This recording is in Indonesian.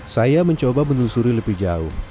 saya mencoba menelusuri lebih jauh